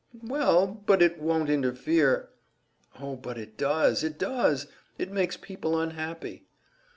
"Well, but it won't interfere " "Oh, but it does, it does; it makes people unhappy!"